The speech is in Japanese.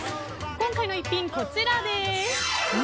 今回の逸品、こちらです。